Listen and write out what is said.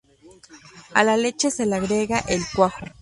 A la leche se le agrega el cuajo.